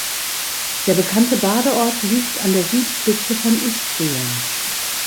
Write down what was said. Der bekannte Badeort liegt an der Südspitze von Istrien.